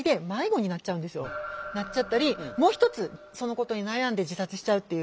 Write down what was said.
なっちゃったりもう一つそのことに悩んで自殺しちゃうっていう。